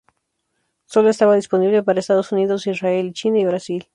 Solo estaba disponible para Estados Unidos, Israel, China y Brasil.